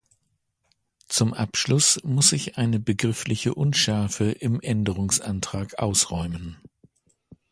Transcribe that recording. Zum Abschluss muss ich eine begriffliche Unschärfe im Änderungsantrag ausräumen.